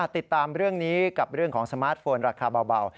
ติดตามเรื่องนี้กับเรื่องของสมาร์ทโฟนราคาเบา